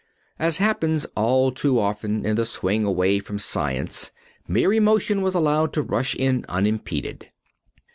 As happens all too often in the swing away from science, mere emotion was allowed to rush in unimpeded.